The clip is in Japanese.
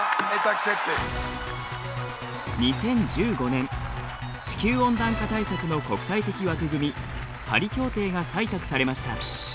２０１５年地球温暖化対策の国際的枠組みパリ協定が採択されました。